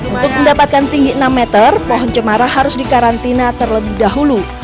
untuk mendapatkan tinggi enam meter pohon cemara harus dikarantina terlebih dahulu